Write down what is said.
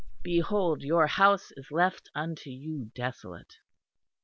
Behold your house is left unto you desolate."